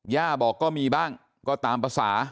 ย่าบอกก็มีบ้างก็ตามภาษา